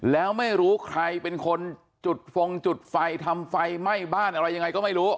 แล้วไม่รู้ใครเป็นคนจุดฟงจุดไฟทำไฟไหม้บ้านอะไรยังไงก็ไม่รู้